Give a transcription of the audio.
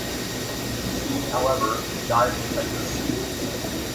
She, however, died of typhus.